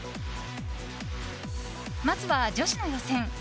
まずは女子の予選。